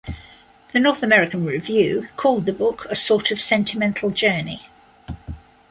The "North American Review" called the book "a sort of sentimental journey".